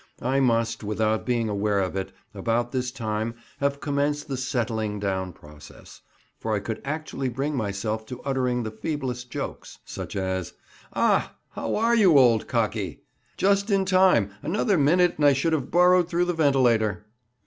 I must—without being aware of it—about this time have commenced the "settling down" process, for I could actually bring myself to uttering the feeblest jokes, such as "Ah! how are you, old cockie? Just in time; another minute and I should have burrowed through the ventilator."